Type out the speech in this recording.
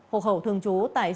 hộ khẩu thường trú tại